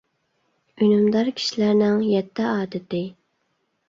ئۈنۈمدار كىشىلەرنىڭ يەتتە ئادىتى.